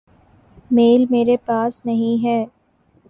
میل میرے پاس نہیں ہے۔۔